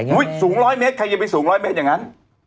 ขึ้นไปสูง๑๐๐เมตรใครจะไปสูง๑๐๐เมตรแบบนั้น